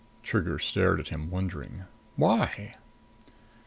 Trigger stared at him, wondering. "Why?"